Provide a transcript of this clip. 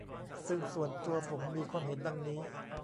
ซึ่งส่วนตัวผมมีความเห็นดังนี้